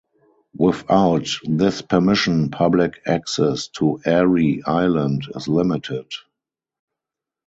Without this permission, public access to Arey Island is limited.